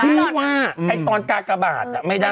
เชื่อว่าไอ้ตอนกากบาทไม่ได้